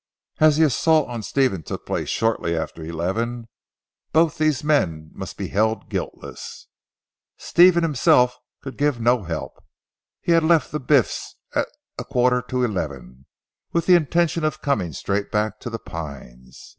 As the assault on Stephen took place shortly after eleven both these men must be held guiltless. Stephen himself could give no help. He had left the Biffs at a quarter to eleven, with the intention of coming straight back to "The Pines."